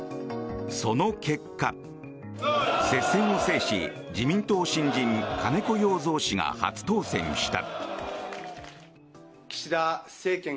その結果接戦を制し、自民党新人金子容三氏が初当選した。